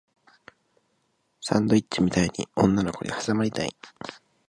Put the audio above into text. サンドイッチみたいに女の子に挟まれたい